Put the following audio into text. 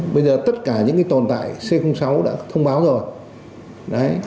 bây giờ tất cả những tồn tại c sáu đã thông báo rồi